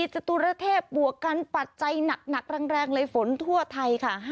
จตุรเทพบวกกันปัจจัยหนักแรงเลยฝนทั่วไทยค่ะ